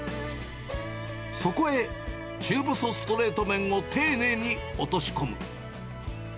そこへ中細ストレート麺を丁寧に落とし込む。